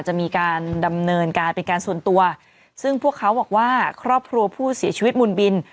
จะมีการดำเนินการเป็นการส่วนตัวซึ่งพวกเขาบอกว่าครอบครัวผู้เสียชีวิตมุนบิน